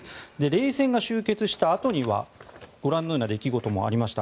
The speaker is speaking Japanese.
冷戦が終結したあとにはご覧のような出来事もありました。